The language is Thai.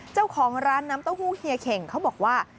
เจ้าของร้านน้ำเต้าหู้เฮียเข่งเขาบอกว่า